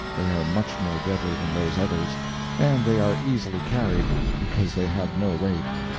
They are much more deadly than those others, and they are easily carried, because they have no weight.